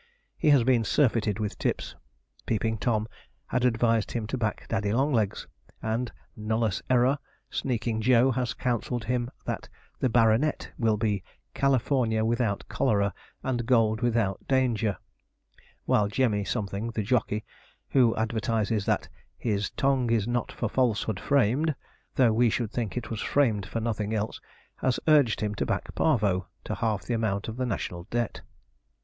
He has been surfeited with tips. Peeping Tom had advised him to back Daddy Longlegs; and, nullus error, Sneaking Joe has counselled him that the 'Baronet' will be 'California without cholera, and gold without danger'; while Jemmy something, the jockey, who advertises that his 'tongue is not for falsehood framed,' though we should think it was framed for nothing else, has urged him to back Parvo to half the amount of the national debt.